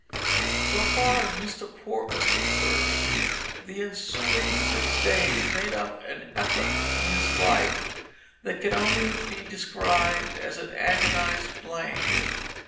So far as Mr. Port was concerned the ensuing six days made up an epoch in his life that can only be described as an agonized blank.